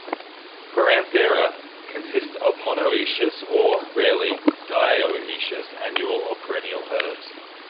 "Poranthera" consists of monoecious or rarely, dioecious annual or perennial herbs.